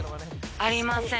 ありません。